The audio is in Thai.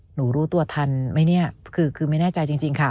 รู้ตัวทันไหมเนี่ยคือไม่แน่ใจจริงค่ะ